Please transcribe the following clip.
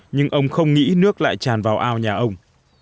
nhưng ông không nghĩ nước lại tràn vào ao nhà ông